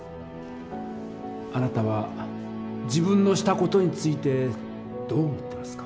あなたは自分のした事についてどう思ってますか？